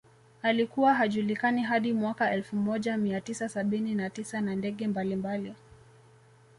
Alikuwa hajulikani hadi mwaka elfu moja mia tisa sabini na tisa na ndege mbalimbali